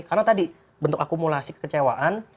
karena tadi bentuk akumulasi kekecewaan